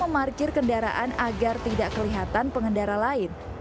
kedua duanya berkir kendaraan agar tidak kelihatan pengendara lain